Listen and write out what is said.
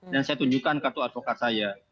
dan saya tunjukkan kartu advokat saya